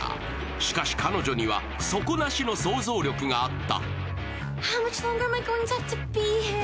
しかし、彼女には底なしの想像力があった。